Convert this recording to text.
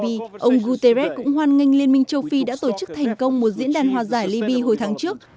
ông guterres cũng hoan nghênh liên minh châu phi đã tổ chức thành công một diễn đàn hòa giải libya hồi tháng trước